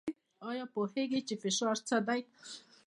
ایا پوهیږئ چې فشار څه دی؟